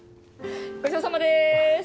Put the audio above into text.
ごちそうさまです！